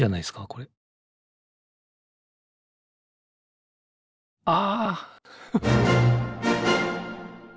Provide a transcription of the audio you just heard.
これあ！